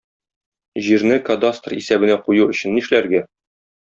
Җирне кадастр исәбенә кую өчен нишләргә?